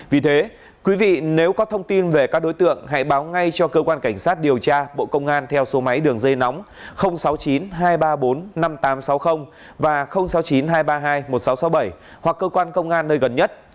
vì thế quý vị nếu có thông tin về các đối tượng hãy báo ngay cho cơ quan cảnh sát điều tra bộ công an theo số máy đường dây nóng sáu mươi chín hai trăm ba mươi bốn năm nghìn tám trăm sáu mươi và sáu mươi chín hai trăm ba mươi hai một nghìn sáu trăm sáu mươi bảy hoặc cơ quan công an nơi gần nhất